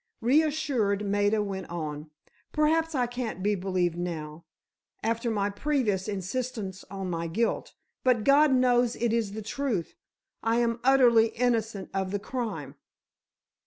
Reassured, Maida went on. "Perhaps I can't be believed now, after my previous insistence on my guilt, but God knows it is the truth; I am utterly innocent of the crime."